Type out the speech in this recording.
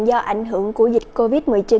do ảnh hưởng của dịch covid một mươi chín